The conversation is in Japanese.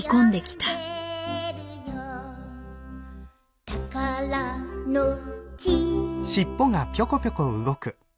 「たからの木」